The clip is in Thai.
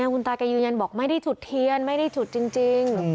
คุณตาแกยืนยันบอกไม่ได้จุดเทียนไม่ได้จุดจริง